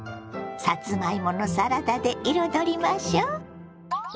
さつまいものサラダで彩りましょう。